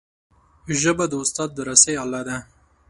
ژبه د استاد درسي آله ده